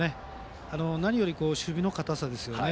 何より守備の堅さですよね。